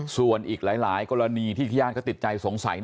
ส่วนอีกหลายกรณีที่ญาติเขาติดใจสงสัย